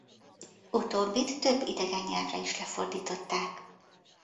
Utóbbit több idegen nyelvre is lefordították.